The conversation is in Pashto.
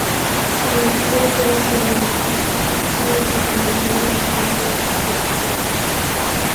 په دوه زره پنځلسم کال کې به امریکایي کمپوزیتور.